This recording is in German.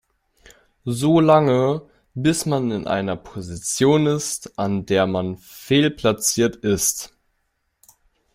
So lange, bis man in einer Position ist, an der man fehlplatziert ist.